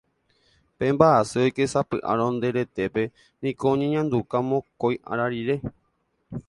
Pe mba'asy oikesapy'árõ nde retépe niko oñeñanduka mokõi ára rire